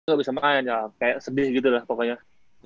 gue gak bisa main kayak sedih gitu lah pokoknya